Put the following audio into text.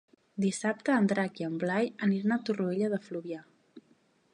Dissabte en Drac i en Blai aniran a Torroella de Fluvià.